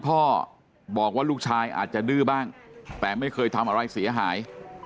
พ่อบอกว่าลูกชายอาจจะดื้อบ้างแต่ไม่เคยทำอะไรเสียหาย